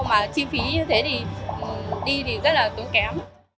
mà chi phí như thế thì đi thì rất là tốn kém